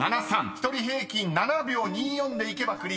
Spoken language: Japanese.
［１人平均７秒２４でいけばクリアできます］